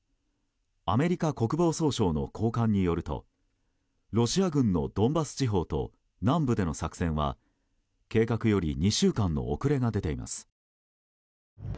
アメリカ国防総省の高官によるとロシア軍のドンバス地方と南部での作戦は計画より２週間の遅れが出ています。